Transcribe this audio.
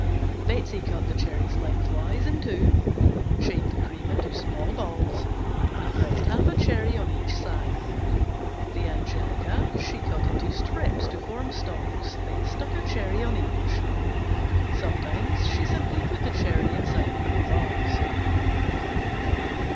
Betsey cut the cherries lengthwise in two, shaped the cream into small balls and pressed half a cherry on each side. The angelica she cut into strips to form stalks, then stuck a cherry on each. Sometimes she simply put the cherry inside the cream balls.